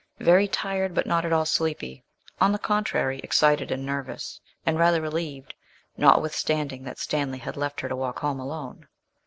Very tired, but not at all sleepy on the contrary, excited and nervous, and rather relieved, notwithstanding that Stanley had left her to walk home alone.